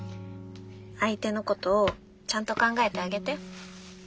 相手のことをちゃんと考えてあげて。